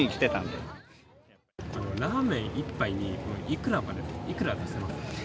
ラーメン１杯にいくらまで、いくら出せますか？